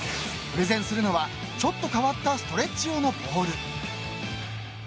［プレゼンするのはちょっと変わったストレッチ用のポール］